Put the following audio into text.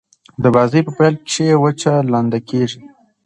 د بازي په پیل کښي وچه لنده کیږي.